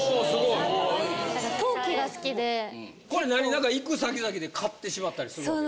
これ何何か行く先々で買ってしまったりする訳ですか？